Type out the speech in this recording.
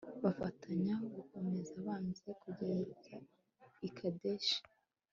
bafatanya guhomerera abanzi kugera i kadeshi